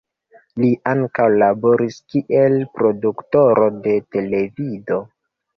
Li ankaŭ laboris kiel produktoro de televido.